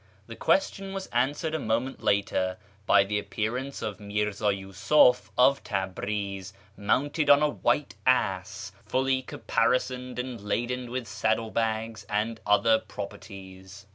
The (juestion was answered a moment later by the appear ance of Mirz;'i Yusuf of Tabriz, mounted on a white ass, fully caparisoned and laden with saddle bags and other properties.